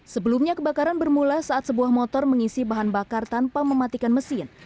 sebelumnya kebakaran bermula saat sebuah motor mengisi bahan bakar tanpa mematikan mesin